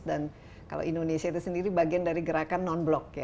dan kalau indonesia itu sendiri bagian dari gerakan non blok